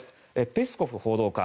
ペスコフ報道官。